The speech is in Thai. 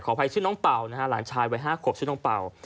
อภัยชื่อน้องเป่านะฮะหลานชายวัย๕ขวบชื่อน้องเป่า